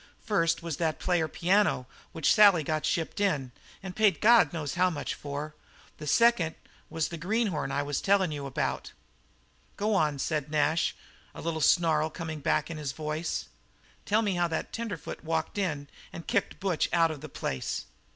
First was that player piano which Sally got shipped in and paid God knows how much for; the second was this greenhorn I was tellin' you about." "Go on," said Nash, the little snarl coming back in his voice. "Tell me how the tenderfoot walked up and kicked Butch out of the place."